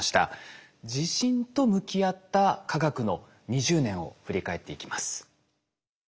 地震と向き合った科学の２０年を振り返っていきます。